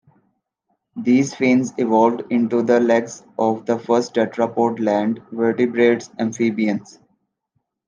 These fins evolved into the legs of the first tetrapod land vertebrates, amphibians.